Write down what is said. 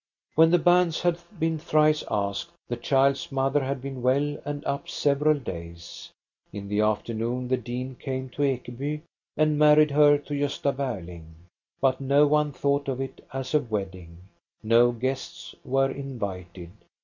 When the banns had been thrice asked, the child's mother had been well and up several days. In the afternoon the dean came to Ekeby and married her to Gosta Berling. But no one thought of it as a wedding. No guests were invited.